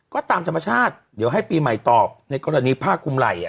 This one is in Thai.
ก็ตามธรรมชาติเดี๋ยวให้ปีใหม่ตอบในกรณีผ้าคุมไหล่อ่ะ